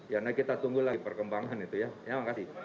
ya nanti kita tunggu lagi perkembangan itu ya terima kasih